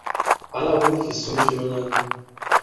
Àla wu ni fìson fi manyaga.